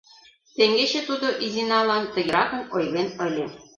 Теҥгече тудо Изиналан тыгеракын ойлен ыле: